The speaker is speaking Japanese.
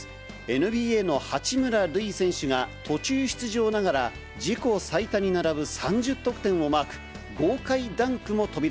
ＮＢＡの八村塁選手が、途中出場ながら、自己最多に並ぶ３０得点をマーク。